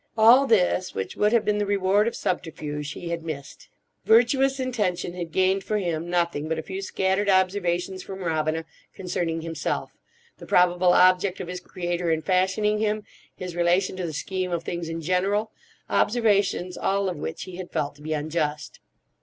All this—which would have been the reward of subterfuge—he had missed. Virtuous intention had gained for him nothing but a few scattered observations from Robina concerning himself; the probable object of his Creator in fashioning him—his relation to the scheme of things in general: observations all of which he had felt to be unjust.